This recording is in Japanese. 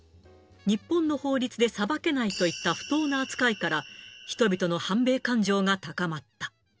日本の法律で裁けないといった不当な扱いから、人々の反米感情が高まった。